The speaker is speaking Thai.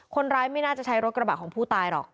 คนร้ายไม่น่าจะใช้รถกระบะของผู้ตายหรอก